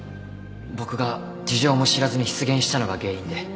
僕が事情も知らずに失言したのが原因で